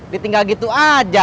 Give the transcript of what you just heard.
ditinggal gitu aja